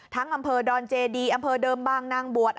อำเภอดอนเจดีอำเภอเดิมบางนางบวช